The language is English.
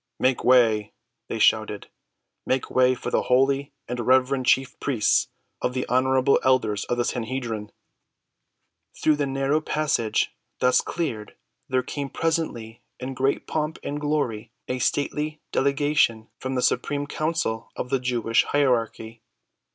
"Make way!" they shouted. "Make way for the holy and reverend chief priests and the honorable elders of the Sanhedrim!" Through the narrow passage thus cleared there came presently in great pomp and glory a stately delegation from the supreme council of the Jewish hierarchy.